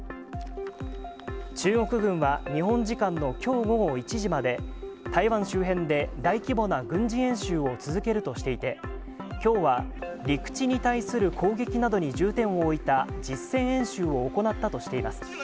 中国軍は、日本時間のきょう午後１時まで、台湾周辺で大規模な軍事演習を続けるとしていて、きょうは、陸地に対する攻撃などに重点を置いた実戦演習を行ったとしています。